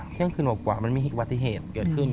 เที่ยงคืนกว่ามันมีอุบัติเหตุเกิดขึ้น